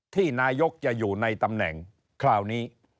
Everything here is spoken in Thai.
ที่นายกจะอยู่ในตำแหน่งคราวนี้